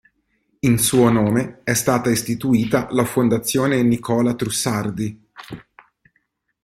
In suo nome è stata istituita la Fondazione Nicola Trussardi.